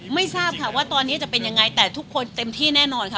ไม่ทราบค่ะว่าตอนนี้จะเป็นยังไงแต่ทุกคนเต็มที่แน่นอนค่ะ